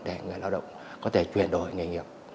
để người lao động có thể chuyển đổi nghề nghiệp